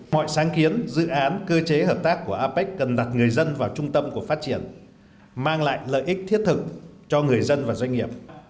mọi sáng kiến dự án cơ chế hợp tác của apec cần đặt người dân vào trung tâm của phát triển mang lại lợi ích thiết thực cho người dân và doanh nghiệp